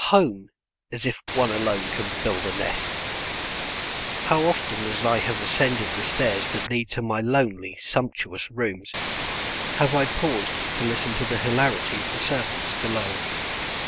Home! As if one alone can build a nest. How often as I have ascended the stairs that lead to my lonely, sumptuous rooms, have I paused to listen to the hilarity of the servants below.